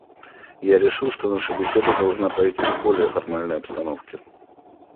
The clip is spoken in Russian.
Я решил, что наша беседа должна пройти в более формальной обстановке.